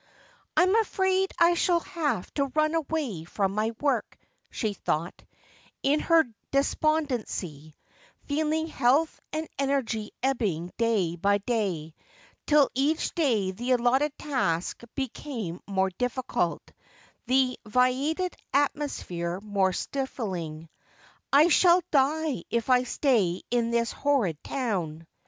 ' I'm afraid I shall have to run away from my work,' she thought, in her despondency, feeling health and eneigy ebbing day by day, till each da) the allotted task became more difficult, the vitiated atmosphere more stifling. ' I shall die if I stay in this horrid town.'